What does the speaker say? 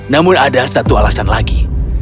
namun ada satu alasan lagi